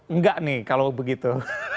enggak nih kalau begitu